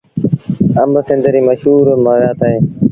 آݩب سنڌ ريٚ مشهور ميوآت اهي۔